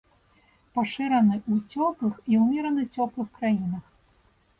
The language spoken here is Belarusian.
Пашыраны ў цёплых і ўмерана цёплых краінах.